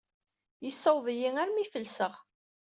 Yessaweḍ-iyi armi ay felseɣ.